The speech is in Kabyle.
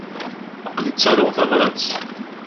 Aql-i ttaruɣ tabrat.